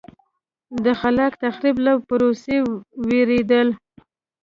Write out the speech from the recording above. د خلاق تخریب له پروسې وېرېدل.